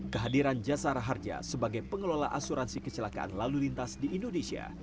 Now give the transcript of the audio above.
kehadiran jasara harja sebagai pengelola asuransi kecelakaan lalu lintas di indonesia